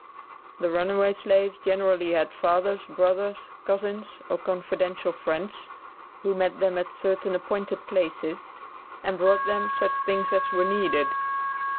The runaway slaves generally had fathers, brothers, cousins, or confidential friends who met them at certain appointed places, and brought them such things as were needed.